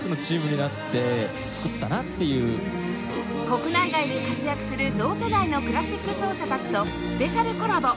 国内外で活躍する同世代のクラシック奏者たちとスペシャルコラボ